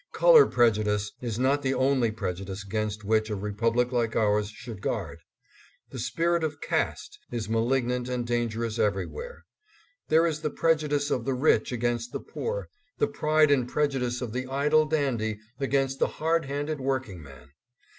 Color prejudice is not the only prejudice against which a Republic like ours should guard. The spirit of caste is malignant and dangerous everywhere. There is the prejudice of the rich against the poor, the pride and prejudice of the idle dandy against the hard handed workingman.